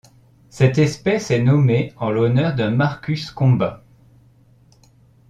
Cette espèce est nommée en l'honneur de Markus Comba.